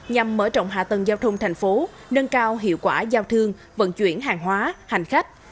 nhằm mở rộng hạ tầng giao thông thành phố nâng cao hiệu quả giao thương vận chuyển hàng hóa hành khách